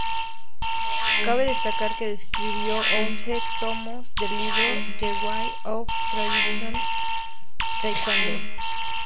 Cabe destacar que escribió once tomos del libro: The Way of Traditional Taekwondo.